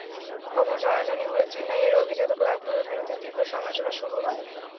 খবর জানাজানি হলে চেন্নাইয়ের অভিজাত ক্লাবগুলোর বিরুদ্ধে তীব্র সমালোচনা শুরু হয়।